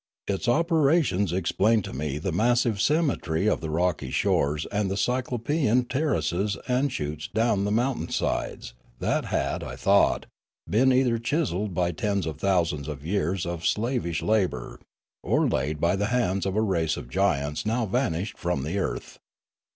Its operations explained to me the massive symmetry of the rocky shores and the cyclopean terraces and shoots down the mountain sides, that had, I thought, been either chiselled by tens of thousands of years of slavish labour, or laid by the hands of a race of giants now vanished from the earth.